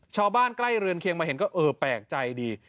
ชาวบ้านใกล้เรือนเคียงมาเห็นก็เออแปลกใจดี